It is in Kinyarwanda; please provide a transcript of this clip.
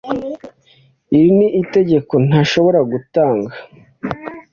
Iri ni itegeko ntashobora gutanga